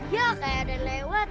ya kayak ada lewat